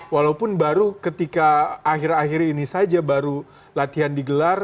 walaupun baru ketika akhir akhir ini saja baru latihan digelar